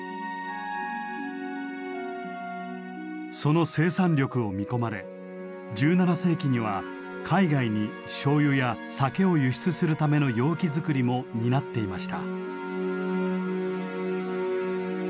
その生産力を見込まれ１７世紀には海外にしょうゆや酒を輸出するための容器作りも担っていました。